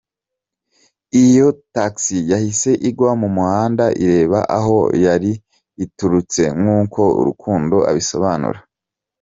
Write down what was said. Iyo taxi yahise igwa mu muhanda ireba aho yari iturutse nk’uko Rukundo abisobanura.